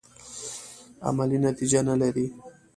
عملي نتیجه نه لري.